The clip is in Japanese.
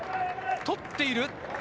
捕っている？